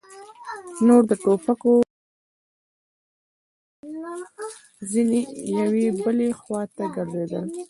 نور د ټوپکو په پاکولو بوخت وو، ځينې يوې بلې خواته ګرځېدل.